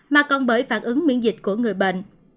mà còn bởi phản ứng miễn dịch của người bệnh